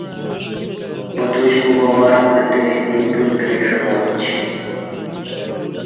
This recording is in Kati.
بدوش گوبا ورں لتری دی تولتری ڄماچی